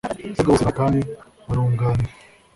Abaregwa bose barahari kandi barunganiwe